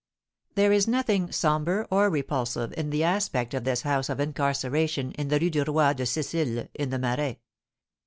There is nothing sombre or repulsive in the aspect of this house of incarceration in the Rue du Roi de Sicile, in the Marais.